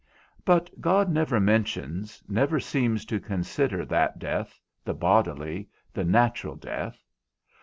But God never mentions, never seems to consider that death, the bodily, the natural death.